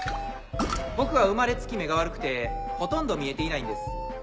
僕は生まれつき目が悪くてほとんど見えていないんです。